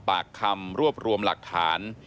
ปากคำรวบรวมหลักฐาน